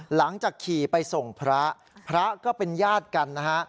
หลังจากขี่ไปส่งพระพระก็เป็นญาติกันนะฮะ